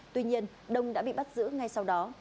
tuy nhiên đông đã bị bắt giữ ngay sau đó